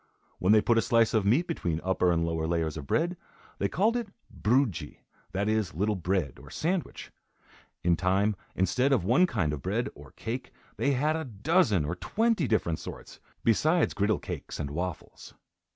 When they put a slice of meat between upper and lower layers of bread, they called it "broodje," that is, little bread; or, sandwich. In time, instead of one kind of bread, or cake, they had a dozen or twenty different sorts, besides griddle cakes and waffles.